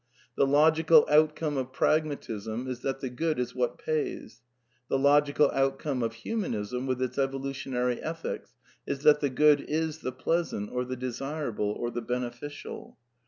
The logical outcome of Pragmatism is that the good is what pays ; the logical outcome of Human ism, with its evolutionary Ethics, is that the good is the pleasant or the desirable or the beneficial.